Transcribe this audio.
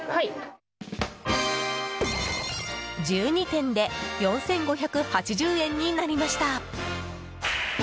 １２点で４５８０円になりました。